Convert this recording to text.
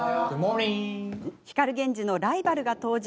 光源氏のライバルが登場。